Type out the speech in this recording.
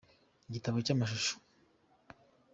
Igitabo cy’amashusho.